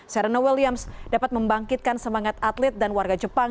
sereno williams dapat membangkitkan semangat atlet dan warga jepang